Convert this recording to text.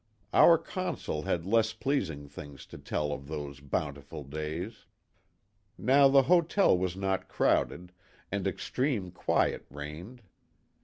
Our Consul had less pleasing things to tell of those " bountiful " days. Now the hotel was not crowded, and extreme quiet reigned.